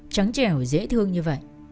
trắng trẻo dễ thương như vậy